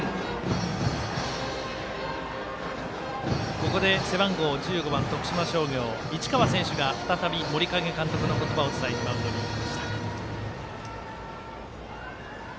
ここで背番号１５番、徳島商業市川選手が再び森影監督の言葉を伝えにマウンドに行きました。